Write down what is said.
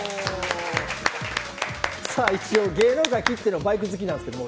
一応、芸能界きってのバイク好きなんですけど。